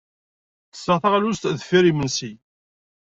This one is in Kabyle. Ttesseɣ taɣlust deffir yimensi.